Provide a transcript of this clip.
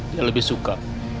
dia lebih suka